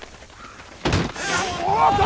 おっと！